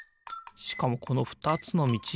しかもこのふたつのみち